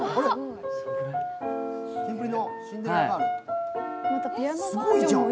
キンプリの「シンデレラガール」。